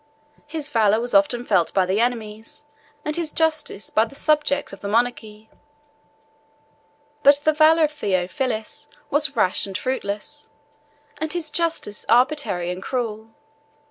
His valor was often felt by the enemies, and his justice by the subjects, of the monarchy; but the valor of Theophilus was rash and fruitless, and his justice arbitrary and cruel.